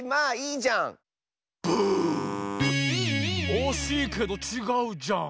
おしいけどちがうじゃん！